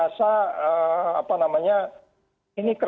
gatis banget dan moment macanya muncul